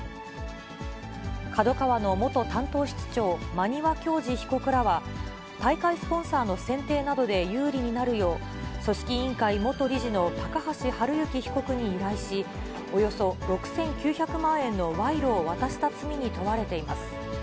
ＫＡＤＯＫＡＷＡの元担当室長、馬庭教二被告らは、大会スポンサーの選定などで有利になるよう、組織委員会元理事の高橋治之被告に依頼し、およそ６９００万円の賄賂を渡した罪に問われています。